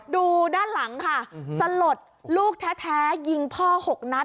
ดูด้านหลังค่ะสลดลูกแท้ยิงพ่อ๖นัด